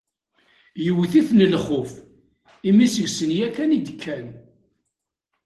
Yewwet-iten lxuf imi seg-sen yakan i d-kkan.